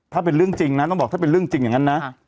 ถ้าเป็นเรื่องจริงอย่างนั้น